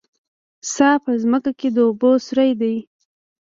څا په ځمکه کې د اوبو سوری دی